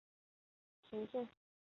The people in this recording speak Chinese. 雄县与任丘市接壤。